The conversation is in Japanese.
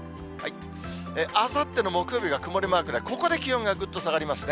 あさっての木曜日が曇りマークで、ここで気温がぐっと下がりますね。